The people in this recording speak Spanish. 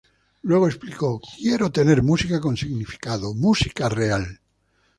Luego explicó, "Quiero tener música con significado, música real.